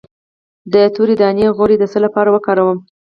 د تورې دانې غوړي د څه لپاره وکاروم؟